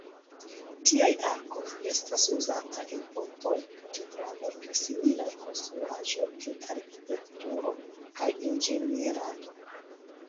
Tiaj arkoj estas uzataj en pontoj, katedraloj kaj similaj konstruaĵoj en arkitekturo kaj inĝenierado.